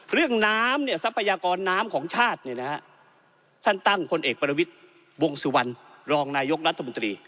เรื่องน้ำเนี่ยทรัพยากรน้ำของชาติ